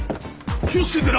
気を付けてな。